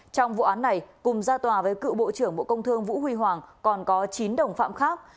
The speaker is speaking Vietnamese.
trong vụ án này cùng ra tòa với cựu bộ trưởng bộ công thương vũ huy hoàng còn có chín đồng phạm khác